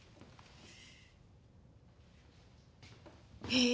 へえ！